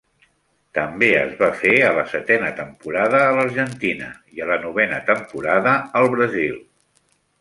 També es va fer a la setena temporada a l'Argentina i a la novena temporada al Brasil.